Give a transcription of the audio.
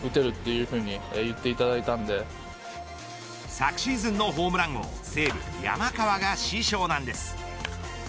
昨シーズンのホームラン王西武、山川が師匠なんです。